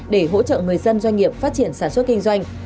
để hỗ trợ người dân doanh nghiệp phát triển sản xuất kinh doanh